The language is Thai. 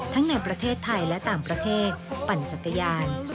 ในประเทศไทยและต่างประเทศปั่นจักรยาน